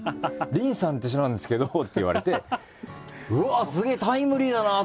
「林さんっていう人なんですけど」って言われてうわっすげえタイムリーだなと思ってびっくりしたんですよ